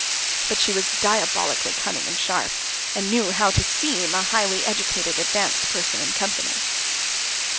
But she was diabolically cunning and sharp, and knew how to seem a highly educated, advanced person in company.